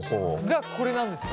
がこれなんですか？